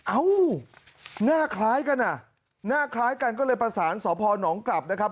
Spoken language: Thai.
เอ้าหน้าคล้ายกันอ่ะหน้าคล้ายกันก็เลยประสานสพนกลับนะครับ